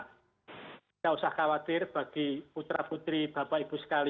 tidak usah khawatir bagi putera putri bapak ibu sekarang ini